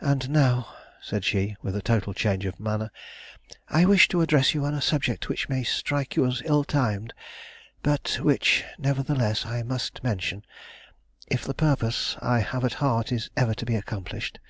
"And now," said she, with a total change of manner, "I wish to address you on a subject which may strike you as ill timed, but which, nevertheless, I must mention, if the purpose I have at heart is ever to be accomplished.